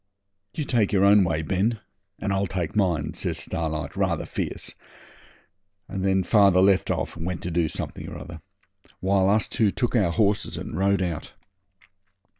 'You take your own way, Ben, and I'll take mine,' says Starlight rather fierce, and then father left off and went to do something or other, while us two took our horses and rode out.